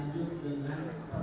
tuh dalam waktu